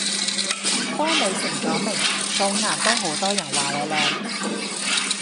當你成咗名，素顏都好多人話你靚